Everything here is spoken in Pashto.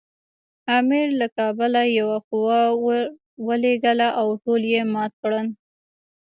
امیر له کابله یوه قوه ورولېږله او ټول یې مات کړل.